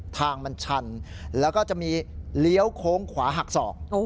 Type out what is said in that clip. ทางมันชันแล้วก็จะมีเลี้ยวโค้งขวาหักศอก